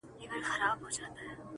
ماسومان له هغه ځایه وېرېږي تل,